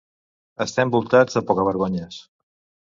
"Estem voltats de pocavergonyes".